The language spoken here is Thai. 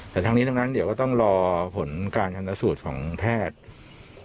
แต่ทั้งนี้ทั้งนั้นเดี๋ยวก็ต้องรอผลการชนสูตรของแพทย์